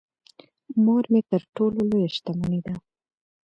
مور مې تر ټولو لويه شتمنی ده .